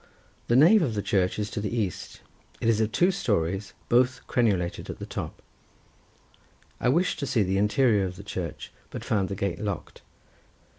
The nave of the church is to the east; it is of two stories, both crenelated at the top. I wished to see the interior of the church, but found the gate locked.